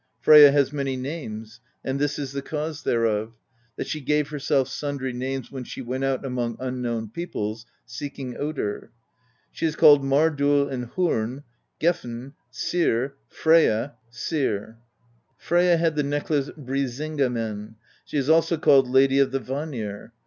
Freyja has many names, and this is the cause thereof: that she gave herself sundry names, when she went out among unknown peoples seek ing Odr: she is called Mardoll and H6rn,Gefn, Syr. Freyja had the necklace Brisinga men. She is also called Lady of the Vanir.